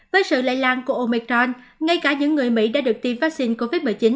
với sự lây lan của omicron ngay cả những người mỹ đã được tiêm vaccine covid một mươi chín